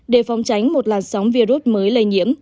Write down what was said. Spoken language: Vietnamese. để phòng tránh một làn sóng virus mới lây nhiễm